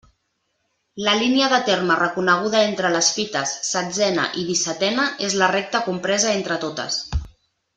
La línia de terme reconeguda entre les fites setzena i dissetena és la recta compresa entre totes.